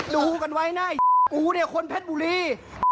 ดูกันไว้นะกูเนี่ยคนเพชรบุรี